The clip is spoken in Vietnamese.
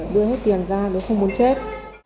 đưa hết tiền ra nó không muốn chết